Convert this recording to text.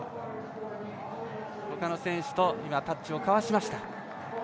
ほかの選手とタッチを交わしました。